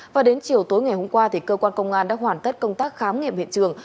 và đến chiều tối ngày hôm qua cơ quan công an đã hoàn tất công tác khám nghiệm hiện trường